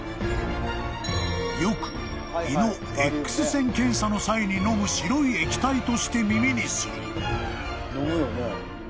［よく胃のエックス線検査の際に飲む白い液体として耳にする］